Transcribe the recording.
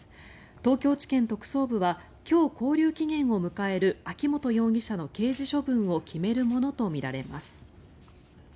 東京地検特捜部は今日、勾留期限を迎える秋本容疑者の刑事処分を決めるものとみられます。